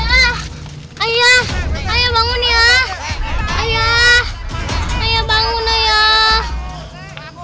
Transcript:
ayah ayah ayah bangun ya ayah ayah bangun ayah